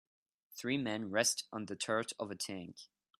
Three men rest on the turret of a tank